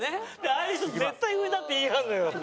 ああいう人って「絶対上だ」って言い張るのよ。